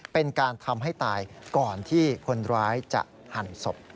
เป็นการทำให้ตายก่อนที่คนร้ายจะหั่นศพ